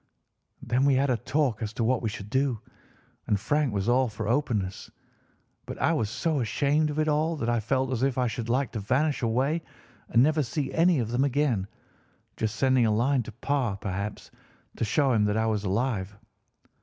"Then we had a talk as to what we should do, and Frank was all for openness, but I was so ashamed of it all that I felt as if I should like to vanish away and never see any of them again—just sending a line to Pa, perhaps, to show him that I was alive.